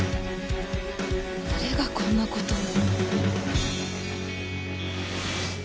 誰がこんな事を？